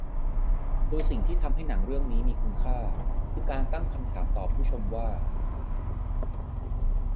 โดยสิ่งที่ทำให้หนังเรื่องนี้มีคุณค่าคือการตั้งคำถามต่อผู้ชมว่า